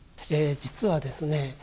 実はですね